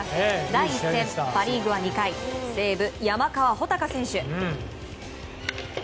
第１戦、パ・リーグは２回西武、山川穂高選手。